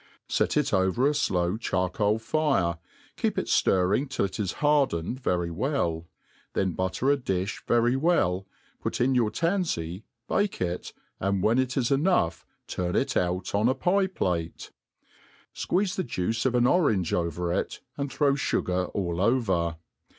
Set it over a iloffr charcoal fire, keep it ftirring till it is hardened very well ; then butter a difh very well, put in your tanfey, bake it, and wlien it is enough turn it out on a pie*plate \ fqueeze the juice of an orange over it, and throw fugar all over.